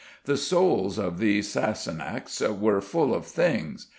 The souls of these Sasunnachs were full of THINGS.